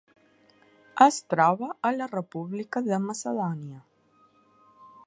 Es troba a la República de Macedònia.